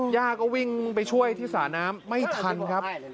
ย่าก็วิ่งไปช่วยที่สระน้ำไม่ทันครับ